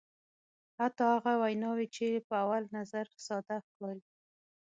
حتی هغه ویناوی چې په اول نظر ساده ښکاري.